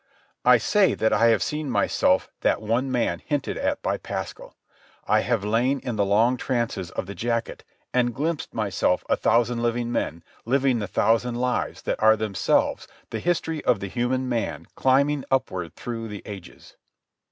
I say that I have seen myself that one man hinted at by Pascal. I have lain in the long trances of the jacket and glimpsed myself a thousand living men living the thousand lives that are themselves the history of the human man climbing upward through the ages.